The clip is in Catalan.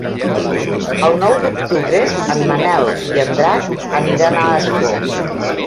El nou d'octubre en Manel i en Drac aniran a Ascó.